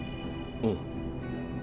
うん。